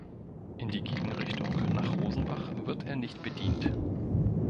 In die Gegenrichtung, nach Rosenbach wird er nicht bedient.